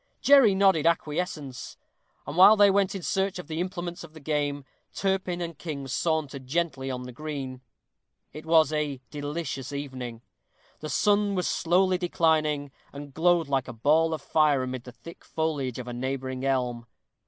Jerry nodded acquiescence. And while they went in search of the implements of the game, Turpin and King sauntered gently on the green. It was a delicious evening. The sun was slowly declining, and glowed like a ball of fire amid the thick foliage of a neighboring elm.